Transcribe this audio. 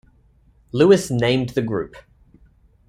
Lewis named the group.